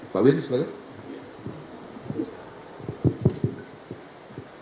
pak win silahkan